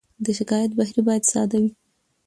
د شکایت بهیر باید ساده وي.